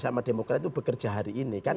sama demokrat itu bekerja hari ini kan